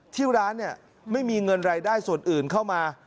ที่ร้านไม่มีเงินรายได้ส่วนอื่นเข้ามา